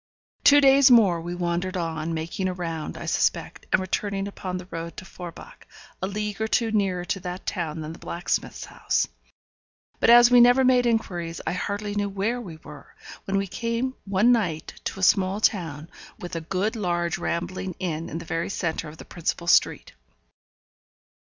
Two days more we wandered on, making a round, I suspect, and returning upon the road to Forbach, a league or two nearer to that town than the blacksmith's house. But as we never made inquiries I hardly knew where we were, when we came one night to a small town, with a good large rambling inn in the very centre of the principal street.